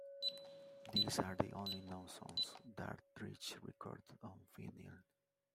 These are the only known songs Dandridge recorded on vinyl.